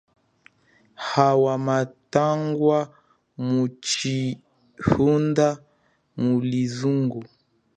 Awa mathangwa mutshihunda muli zungo.